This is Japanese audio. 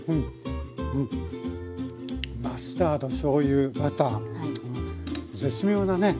マスタードしょうゆバター絶妙なね